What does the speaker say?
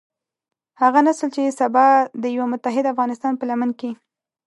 هغه نسل چې سبا د يوه متحد افغانستان په لمن کې.